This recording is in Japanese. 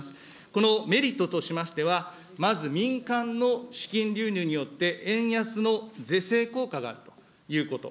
このメリットとしましては、まず民間の資金流入によって、円安の是正効果があるということ。